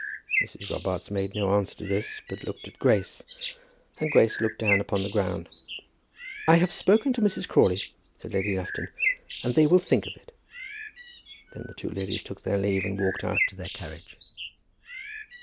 Mrs. Robarts made no answer to this, but looked at Grace; and Grace looked down upon the ground. "I have spoken to Mrs. Crawley," said Lady Lufton, "and they will think of it." Then the two ladies took their leave, and walked out to their carriage.